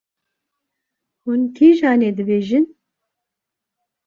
Hûn Kîjanê dibêjin?